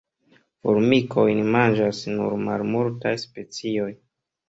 Formikojn manĝas nur malmultaj specioj.